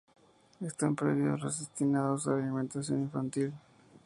Están prohibidos destinados a la alimentación infantil.